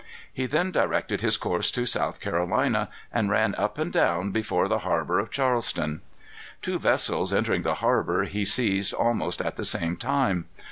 He then directed his course to South Carolina, and ran up and down before the harbor of Charleston. Two vessels, entering the harbor, he seized almost at the same time.